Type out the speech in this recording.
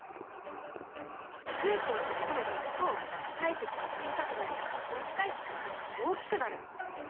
空気を閉じ込めて押すと体積は小さくなり押し返す力が大きくなる。